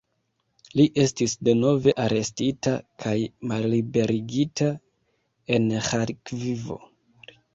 Li estis denove arestita kaj malliberigita en Ĥarkivo.